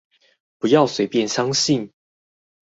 不要隨便相信